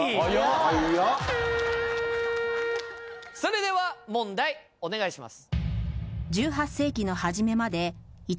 ・早っ・それでは問題お願いします。